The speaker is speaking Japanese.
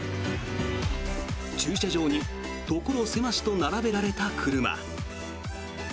駐車場に所狭しと並べられた車。